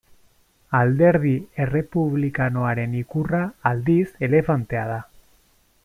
Alderdi Errepublikanoaren ikurra, aldiz, elefantea da.